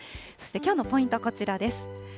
そしてきょうのポイント、こちらです。